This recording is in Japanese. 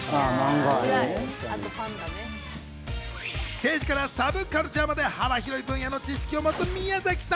政治からサブカルチャーまで幅広い分野の知識を持つ宮崎さん。